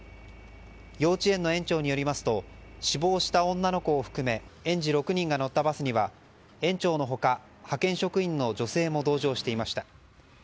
幼稚園の園長によりますと死亡した女の子を含め園児６人が乗ったバスには園長の他、派遣職員の女性も同乗していました。